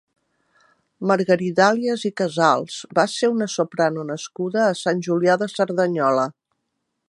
Margaridalias i Casals va ser una soprano nascuda a Sant Julià de Cerdanyola.